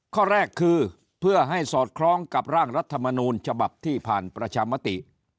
ข้อแรกคือเพื่อให้สอดคล้องกับร่างรัฐมนูลฉบับที่ผ่านประชามติ